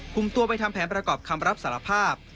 คุมตัวไปทำแผนประกอบคำรับสารภาพ